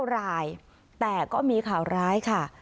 รายแต่ก็มีข่าวร้ายค่ะ